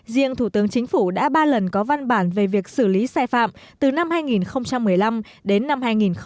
riêng thủ tướng chính phủ đã ba lần có văn bản về việc xử lý sai phạm từ năm hai nghìn một mươi năm đến năm hai nghìn một mươi bảy